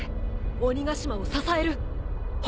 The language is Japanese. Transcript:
鬼ヶ島を支える焔雲を！